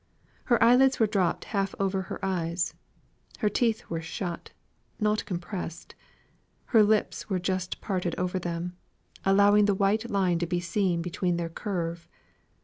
Her eyelids were dropped half over her eyes; her teeth were shut, not compressed; her lips were just parted over them, allowing the white line to be seen between their curve.